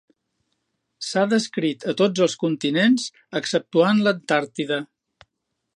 S’ha descrit a tots els continents exceptuant l’Antàrtida.